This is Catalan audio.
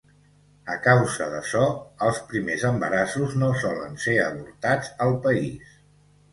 A causa d'açò, els primers embarassos no solen ser avortats al país.